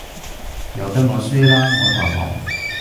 由得我輸啦，我投降